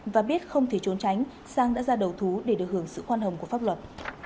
và biết không thể trốn tránh sang đã ra đầu thú để được hưởng sự khoan hồng của pháp luật